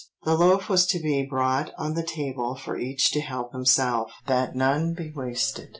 The loaf was to be brought on the table for each to help himself, that none be wasted.